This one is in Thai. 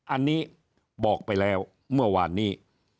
อันนี้บอกไปแล้วเมื่อวานนี้